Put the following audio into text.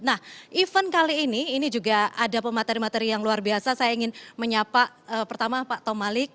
nah event kali ini ini juga ada pemateri materi yang luar biasa saya ingin menyapa pertama pak tomalik